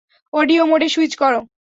Audio মোডে switch করো!